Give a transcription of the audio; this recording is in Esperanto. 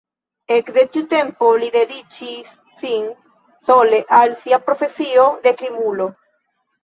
Ekde tiu tempo li dediĉis sin sole al sia „profesio“ de krimulo.